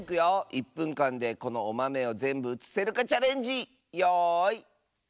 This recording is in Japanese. １ぷんかんでこのおまめをぜんぶうつせるかチャレンジよいスタート！